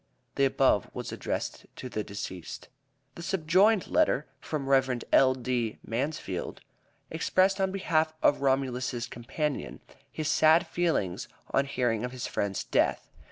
(The above was addressed to the deceased.) The subjoined letter, from Rev. L.D. Mansfield, expressed on behalf of Romulus' companion, his sad feelings on hearing of his friend's death.